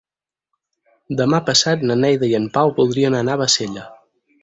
Demà passat na Neida i en Pau voldrien anar a Bassella.